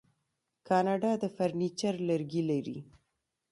کاناډا د فرنیچر لرګي لري.